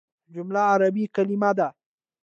جمله عربي کليمه ده.